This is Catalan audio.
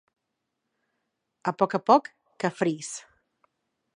A poc a poc, que fris.